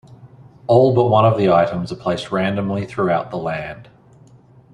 All but one of the items are placed randomly throughout the land.